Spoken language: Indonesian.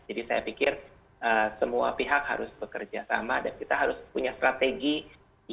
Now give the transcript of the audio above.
jadi saya pikir semua pihak harus bekerja sama dan kita harus punya strategi yang kompleks